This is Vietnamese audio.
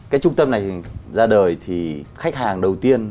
cái trung tâm này ra đời thì khách hàng đầu tiên